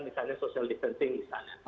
misalnya social distancing di sana